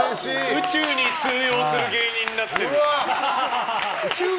宇宙に通用する芸人になってる。